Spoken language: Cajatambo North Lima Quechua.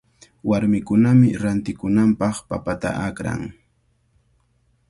Warmikunami rantikunanpaq papata akran.